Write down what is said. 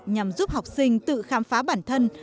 nhằm giúp học sinh tự khám phá bản thân